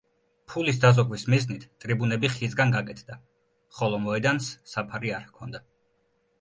ფულის დაზოგვის მიზნით, ტრიბუნები ხისგან გაკეთდა, ხოლო მოედანს საფარი არ ჰქონდა.